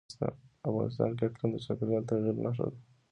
افغانستان کې اقلیم د چاپېریال د تغیر نښه ده.